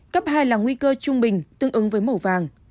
cấp hai là nguy cơ trung bình tương ứng với màu vàng